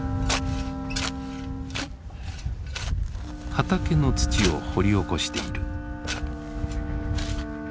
畑の土を掘り起こしている。